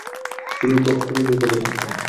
তিনি তত্ত্বনিধি উপাধি লাভ করেন।